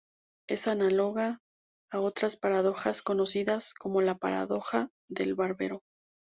Es análoga a otras paradojas conocidas, como la Paradoja del barbero.